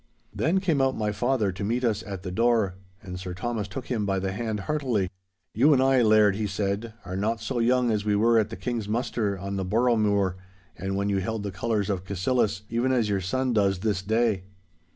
Then came out my father to meet us at the door, and Sir Thomas took him by the hand heartily. 'You and I, Laird,' he said, 'are not so young as we were at the King's muster on the Boroughmuir, and when you held the colours of Cassillis, even as your son does this day.